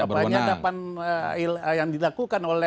penyadapan yang dilakukan